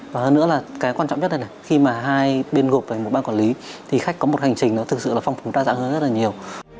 và hơn nữa là cái quan trọng nhất là khi mà hai bên gộp hay một ban quản lý thì khách có một hành trình nó thực sự là phong phú đa dạng hơn rất là nhiều